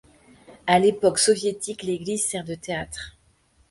À l'époque soviétique l'église sert de théâtre.